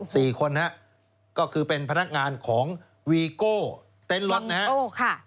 สี่คนนะครับก็คือเป็นพนักงานของวีโก้เต็นต์รถนะครับ